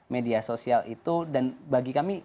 media sosial itu dan bagi kami